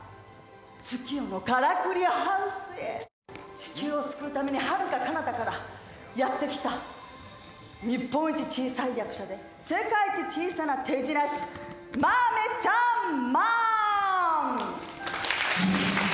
月夜のからくりハウスへ地球を救うためにはるかかなたからやってきた日本一小さい役者で世界一小さな手品師マメちゃんマン！